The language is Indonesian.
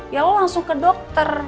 ya lo langsung ke dokter